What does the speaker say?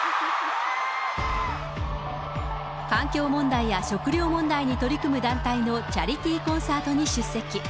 環境問題や食糧問題に取り組む団体のチャリティーコンサートに出席。